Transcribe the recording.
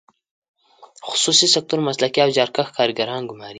خصوصي سکتور مسلکي او زیارکښ کارګران ګماري.